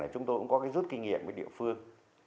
chúng tôi cũng có cái rút kinh nghiệm với địa phương